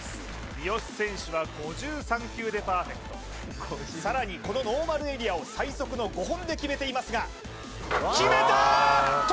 三好選手は５３球でパーフェクトさらにノーマルエリアを最速の５本で決めていますが決めた！